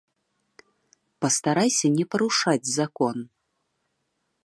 Пастарайся не парушаць закон.